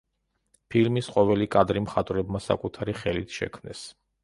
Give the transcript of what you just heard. ფილმის ყოველი კადრი მხატვრებმა საკუთარი ხელით შექმნეს.